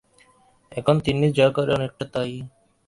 এখন তিন্নি যা করে, অনেকটা তাই।